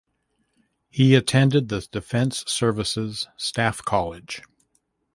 He attended the Defence Services Staff College.